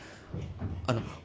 あの。